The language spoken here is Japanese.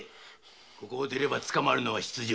ここを出れば捕まるのは必定。